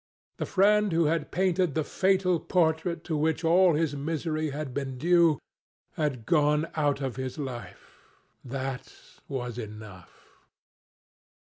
The friend who had painted the fatal portrait to which all his misery had been due had gone out of his life. That was enough.